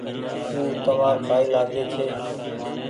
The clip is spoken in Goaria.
او تمآر ڪآئي لآگي ڇي۔